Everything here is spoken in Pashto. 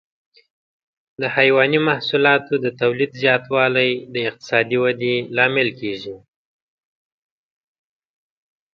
د حيواني محصولاتو د تولید زیاتوالی د اقتصادي ودې لامل کېږي.